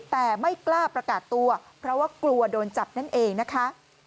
แต่ไม่กล้าประกาศตัวเพราะว่ากลัวโดนจับนั่นเองนะคะ